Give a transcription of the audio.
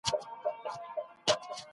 په دې وخت کي